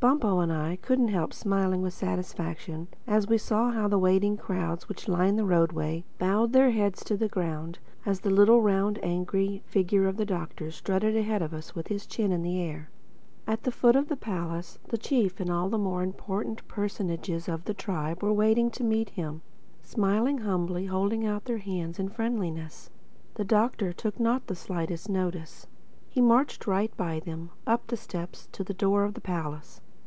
Bumpo and I couldn't help smiling with satisfaction as we saw how the waiting crowds which lined the roadway bowed their heads to the ground, as the little, round, angry figure of the Doctor strutted ahead of us with his chin in the air. At the foot of the palace steps the chief and all the more important personages of the tribe were waiting to meet him, smiling humbly and holding out their hands in friendliness. The Doctor took not the slightest notice. He marched right by them, up the steps to the door of the palace.